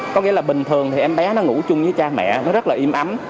có nghĩa là bình thường thì em bé nó ngủ chung với cha mẹ nó rất là im ấm